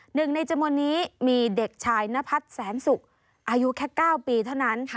หนึ่งในจำนวนนี้มีเด็กชายนพัฒน์แสนสุกอายุแค่๙ปีเท่านั้น